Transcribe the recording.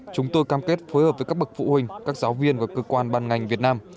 chúng tôi cam kết phối hợp với các bậc phụ huynh các giáo viên và cơ quan ban ngành việt nam